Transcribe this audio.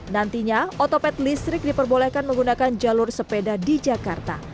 nantinya otopet listrik diperbolehkan menggunakan jalur sepeda di jakarta